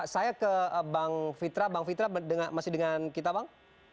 saya ke bang fitra bang fitra masih dengan kita bang